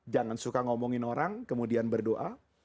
jangan suka ngomongin orang kemudian berdoa